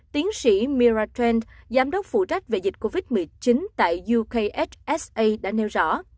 tiến sĩ mira trent giám đốc phụ trách về dịch covid một mươi chín tại ukhsa đã nêu rõ